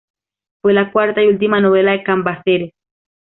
Fue la cuarta y última novela de Cambaceres.